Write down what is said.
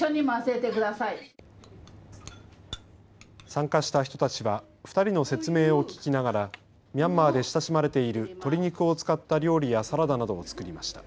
参加した人たちは２人の説明を聞きながらミャンマーで親しまれている鶏肉を使った料理やサラダなどを作りました。